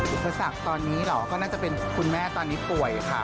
อุปสรรคตอนนี้เหรอก็น่าจะเป็นคุณแม่ตอนนี้ป่วยค่ะ